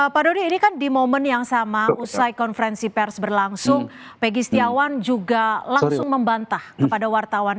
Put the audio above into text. pak doni ini kan di momen yang sama usai konferensi pers berlangsung pegi setiawan juga langsung membantah kepada wartawan